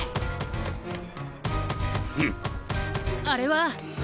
あれは！